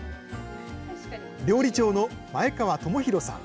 料理長の前川智裕さん。